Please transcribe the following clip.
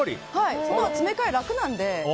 詰め替えが楽なんで。